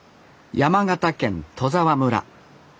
山形県戸沢村。